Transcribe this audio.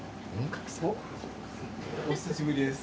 うん？お久しぶりです。